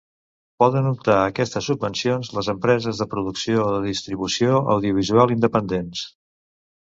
Poden optar a aquestes subvencions les empreses de producció o de distribució audiovisual independents.